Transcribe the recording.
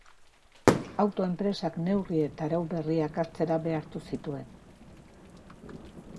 Auto enpresak neurri eta arau berriak hartzera behartu zituen.